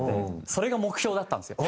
それが目標だったんですよ。